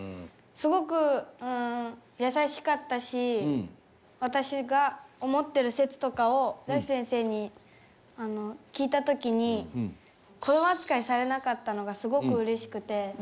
すごく優しかったし私が思ってる説とかをザヒ先生に聞いた時に子ども扱いされなかったのがすごく嬉しくて。